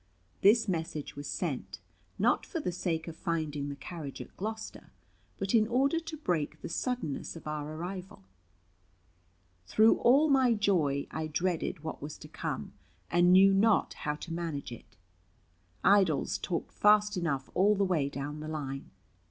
This message was sent, not for the sake of finding the carriage at Gloucester, but in order to break the suddenness of our arrival. Through all my joy I dreaded what was to come, and knew not how to manage it. Idols talked fast enough all the way down the line.